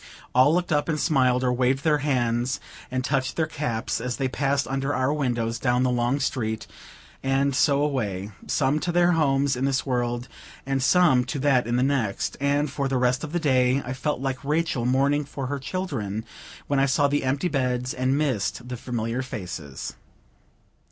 All looked up and smiled, or waved their hands and touched their caps, as they passed under our windows down the long street, and so away, some to their homes in this world, and some to that in the next; and, for the rest of the day, I felt like Rachel mourning for her children, when I saw the empty beds and missed the familiar faces.